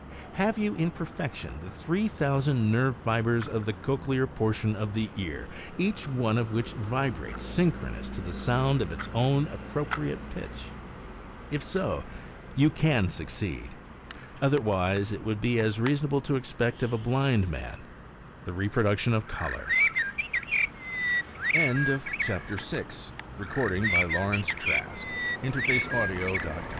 Have you in perfection the three thousand nerve fibres of the cochlear portion of the ear each one of which vibrates synchronous to the sound of its own appropriate pitch ? If so, you can succeed ; otherwise, it would be as reasonable tc expect of a blind man the reproduction of color," E^~ Copies of any of the following Books sent, postage free, on receip